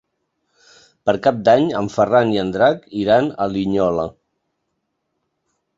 Per Cap d'Any en Ferran i en Drac iran a Linyola.